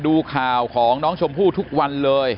ดูข่าวของน้องชมพู่ทุกวันเลย